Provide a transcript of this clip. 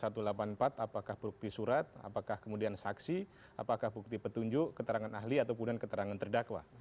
apakah bukti surat apakah kemudian saksi apakah bukti petunjuk keterangan ahli ataupun keterangan terdakwa